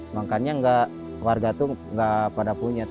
makanya warga itu nggak pada punya